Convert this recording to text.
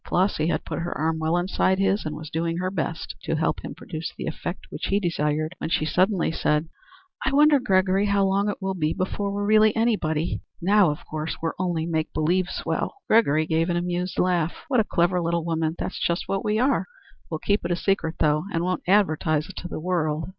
Flossy had put her arm well inside his and was doing her best to help him produce the effect which he desired, when she suddenly said: "I wonder, Gregory, how long it will be before we're really anybody. Now, of course, we're only make believe swell." Gregory gave an amused laugh. "What a clever little woman! That's just what we are. We'll keep it a secret, though, and won't advertise it to the world."